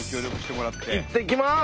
いってきます！